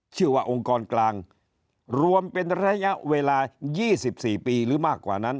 ชื่อว่าองค์กรกลางรวมเป็นระยะเวลา๒๔ปีหรือมากกว่านั้น